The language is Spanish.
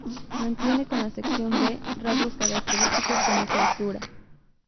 Mantiene con la sección B rasgos característicos como su altura.